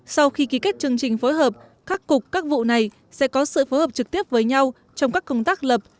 sau khi ký kết chương trình phối hợp khắc phục các vụ này sẽ có sự phối hợp trực tiếp với nhau trong các công tác lập